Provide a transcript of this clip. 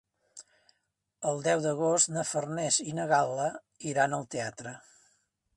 El deu d'agost na Farners i na Gal·la iran al teatre.